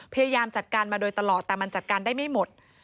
พยายามจัดการมาโดยตลอดแต่มันจัดการได้ไม่หมด